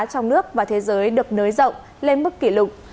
trong nước và thế giới được nới rộng lên mức kỷ lục